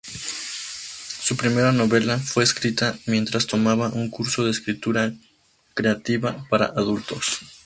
Su primera novela fue escrita mientras tomaba un curso de escritura creativa para adultos.